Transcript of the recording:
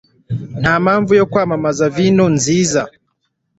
Nta mpamvu yo kwamamaza vino nziza.